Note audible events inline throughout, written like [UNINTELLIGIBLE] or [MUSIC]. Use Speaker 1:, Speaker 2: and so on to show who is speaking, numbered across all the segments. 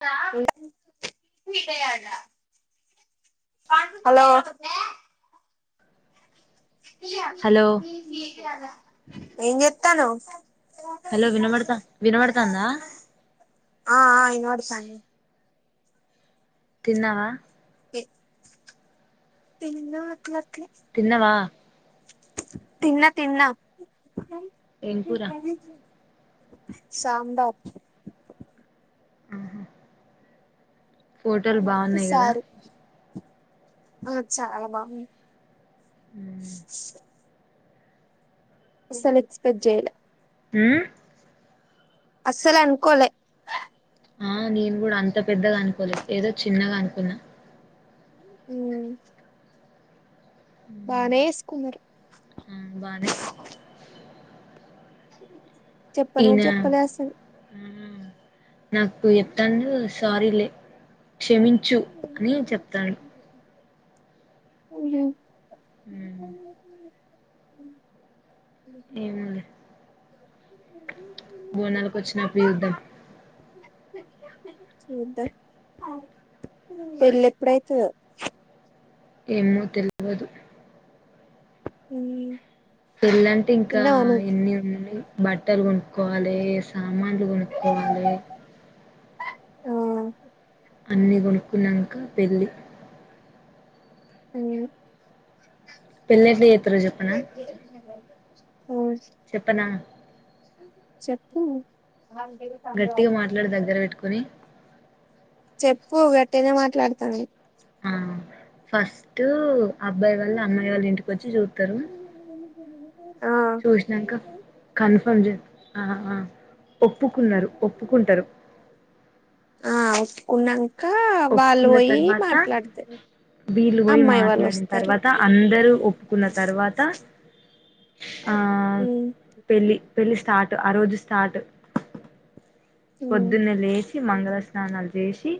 Speaker 1: [UNINTELLIGIBLE] Hello
Speaker 2: hello
Speaker 1: [INAUDIBLE] ఏం చేత్తనవ్?
Speaker 2: Hello వినమడతా వినమడతాందా
Speaker 1: ఆ ఆ వినవడతంది
Speaker 2: తిన్నావా
Speaker 1: ఏ తిన్న
Speaker 2: తిన్నవా
Speaker 1: తిన్నా తిన్నా
Speaker 2: ఏం కూర
Speaker 1: సాంబార్
Speaker 2: ఆహా ఫోటోలు
Speaker 1: పప్పు
Speaker 2: బాగున్నాయి కదా
Speaker 1: సారు అ చాల బాగుం
Speaker 2: ఉమ్
Speaker 1: అసల్ ఎక్స్పెక్ట్ జేయలె
Speaker 2: ఊ
Speaker 1: అస్సల్ అనుకోలే
Speaker 2: ఆ నేను కూడా అంత పెద్దగా అనుకోలేదు. ఏదో చిన్నగ అనుకున్నా
Speaker 1: హు బానే వేసుకున్నరు
Speaker 2: ఆ బానే
Speaker 1: చెప్పను
Speaker 2: ఈయన
Speaker 1: చెప్పలే అసలు
Speaker 2: ఆ నాకు ఎతండు సారీలే క్షమించు అని చెప్తాను
Speaker 1: హుహు
Speaker 2: హు ఏమోనే బోనాలకు వచ్చినప్పుడు యుద్ధం
Speaker 1: సూధా పెళ్ళి ఎప్పుడైతదో
Speaker 2: ఏమో తెల్వదు
Speaker 1: ఉహు
Speaker 2: పెళ్ళంటే ఇంకా ఎన్ని ఉన్నయో బట్టలు కొనుక్కోవాలి సామాన్లు కొనుక్కోవాలి
Speaker 1: ఆ
Speaker 2: అన్ని కొనుక్కున్నంక పెళ్ళి
Speaker 1: ఉ
Speaker 2: పెళ్ళి ఎట్లా చేత్తారో చెప్పనా
Speaker 1: ఉమ్
Speaker 2: చెప్పనా
Speaker 1: చెప్పు
Speaker 2: గట్టిగా మాట్లాడి దగ్గర పెట్టుకుని
Speaker 1: చెప్పు గట్టిగానే మాట్లాడతాను
Speaker 2: ఆ ఫస్ట్ అబ్బాయి వాళ్ళ అమ్మాయి వాళ్ళు ఇంటికి వచ్చి చూత్తరు.
Speaker 1: ఆ
Speaker 2: చూసినంక కన్ఫర్మ్ చే ఆ ఆ ఒప్పుకున్నరు ఒప్పుకుంటరు
Speaker 1: ఆ కున్నా
Speaker 2: ఒప్పుకున్న తర్వాత వీల్లు పోయి
Speaker 1: అమ్మాయి వాళ్ళు
Speaker 2: మాట్లాడిన
Speaker 1: వస్తారు
Speaker 2: తర్వాత అందరు ఒప్పుకున్న తర్వాత ఆ
Speaker 1: ఉమ్
Speaker 2: పెళ్ళి పెళ్ళి స్టార్ట్ ఆ రోజు స్టార్ట్
Speaker 1: ఉమ్
Speaker 2: పొద్దున్నే లేచి మంగళస్నానాలు చేసి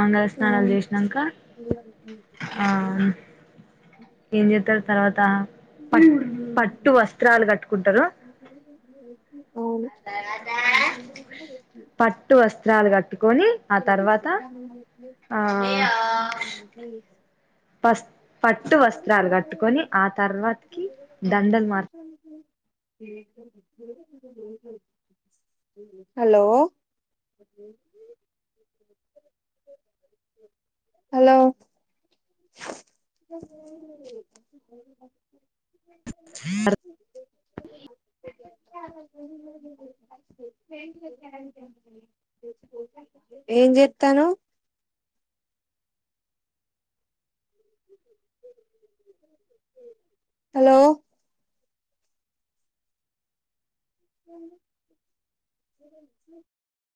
Speaker 2: మంగళ స్నానాలు
Speaker 1: అవును
Speaker 2: చేసినాక ఆ ఏం చేత్తారు తర్వాత పట్టు వస్త్రాలు కట్టుకుంటరు.
Speaker 1: అవును
Speaker 2: [INAUDIBLE] పట్టు వస్త్రాలు కట్టుకొని ఆ తర్వాత ఆ [INAUDIBLE] పస్ పట్టు వస్త్రాలు కట్టుకొని ఆ తర్వాత కి దండలు మార్
Speaker 1: [INAUDIBLE] హలో హలో [INAUDIBLE] [INAUDIBLE] ఏం చేతన్నావ్? హలో [INAUDIBLE]